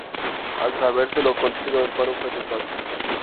Al saberse lo acontecido, el paro fue total.